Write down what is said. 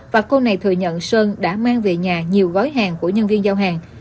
và cô này thừa nhận sơn đã mang về nhà nhiều gói hàng của nhân viên giao hàng